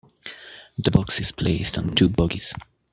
The box is placed on two bogies.